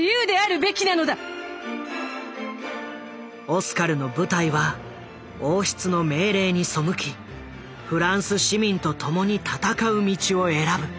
オスカルの部隊は王室の命令に背きフランス市民と共に戦う道を選ぶ。